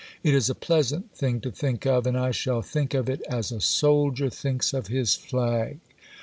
It is a pleasant thing to think of, and I shall think of it as a soldier thinks of his Flag."